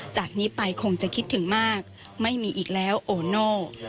จากนี้ไปคงจะคิดถึงมากไม่มีอีกแล้วโอโน่